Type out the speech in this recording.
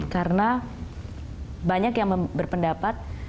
karena banyak yang berpendapat